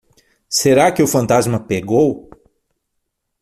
Será que o fantasma pegou?